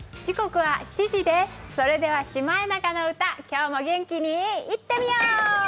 それでは「シマエナガの歌」、今日も元気にいってみよう。